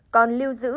còn lưu giữ